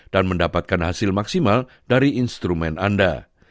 dan mendapatkan hasil maksimal dari instrumen anda